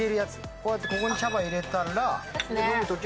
こうやってここに茶葉入れたら。